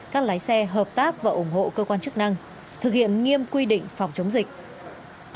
các lái xe hợp tác và ủng hộ cơ quan chức năng thực hiện nghiêm quy định phòng chống dịch